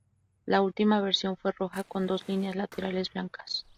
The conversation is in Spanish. La última versión fue roja con dos líneas laterales blancas.